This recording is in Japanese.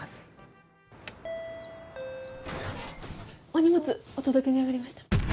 お荷物お届けに上がりました。